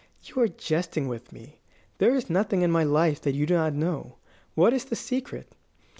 "You are jesting with me. There is nothing in my life that you do not know. What is the secret?"